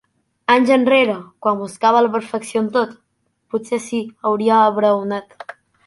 Anys enrere, quan buscava la perfecció en tot, potser s'hi hauria abraonat.